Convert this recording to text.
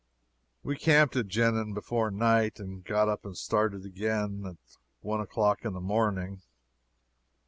We camped at Jenin before night, and got up and started again at one o'clock in the morning.